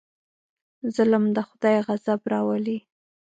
ظلم د خدای غضب راولي.